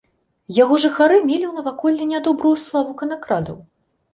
Яго жыхары мелі ў наваколлі нядобрую славу канакрадаў.